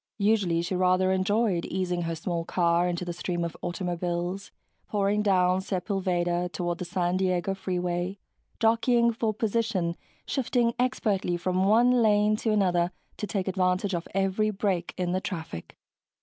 Usually she rather enjoyed easing her small car into the stream of automobiles pouring down Sepulveda toward the San Diego Freeway, jockeying for position, shifting expertly from one lane to another to take advantage of every break in the traffic.